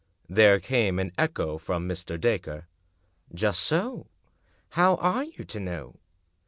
There came an echo from Mr. Dacre. "Just so — how are you to know?"